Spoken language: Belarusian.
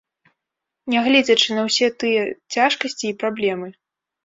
Нягледзячы на ўсе тыя цяжкасці і праблемы.